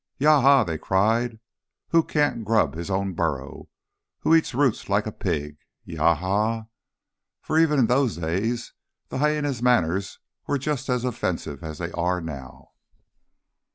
"Ya ha!" they cried. "Who can't grub his own burrow? Who eats roots like a pig?... Ya ha!" for even in those days the hyæna's manners were just as offensive as they are now.